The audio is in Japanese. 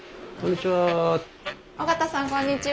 こんにちは。